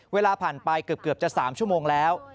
เวลาผ่านไปเกือบจะ๓ชั่วโมงแล้ว